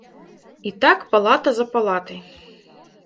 І так палата за палатай.